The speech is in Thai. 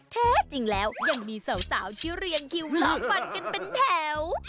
แท้จริงแล้วยังมีสาวที่เรียงคิวคลองฟันกันเป็นแถว